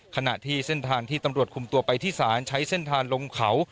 ขณะที่เส้นทางที่ตำรวจคุมตัวไปที่ศาลใช้เส้นทางลงเขา